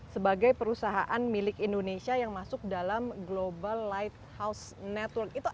sebagai perusahaan milik indonesia yang masuk dalam global lighthouse network itu